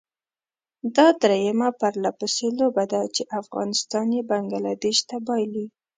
دا درېيمه پرلپسې لوبه ده چې افغانستان یې بنګله دېش ته بايلي.